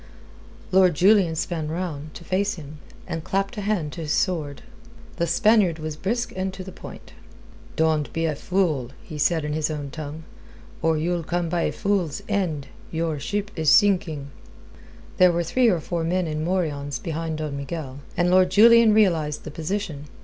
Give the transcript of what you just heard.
Lord Julian span round, to face him, and clapped a hand to his sword. The Spaniard was brisk and to the point. "Don't be a fool," he said in his own tongue, "or you'll come by a fool's end. Your ship is sinking." There were three or four men in morions behind Don Miguel, and Lord Julian realized the position.